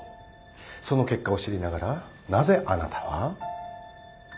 その結果を知りながらなぜあなたは？